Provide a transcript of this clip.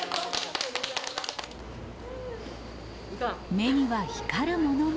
目には光るものも。